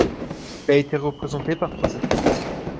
Il a été représenté par trois athlètes.